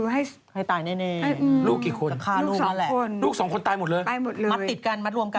ให้ตายเน่ลูกกี่คนลูก๒คนมัดติดกันมัดรวมกัน